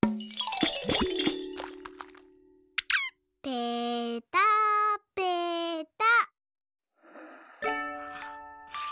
ぺたぺた。